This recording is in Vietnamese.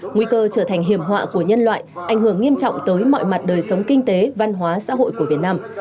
nguy cơ trở thành hiểm họa của nhân loại ảnh hưởng nghiêm trọng tới mọi mặt đời sống kinh tế văn hóa xã hội của việt nam